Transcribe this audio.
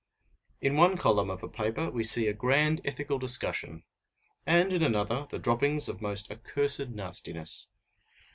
In one column of a paper we see a grand ethical discussion, and in another the droppings of most accursed nastiness.